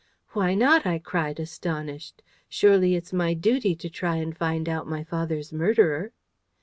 "Why not?" I cried, astonished. "Surely it's my duty to try and find out my father's murderer!"